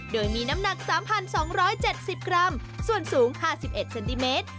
โดยมีน้ำหนัก๓๒๗๐กรัมส่วนสูง๕๑เซนติเมตร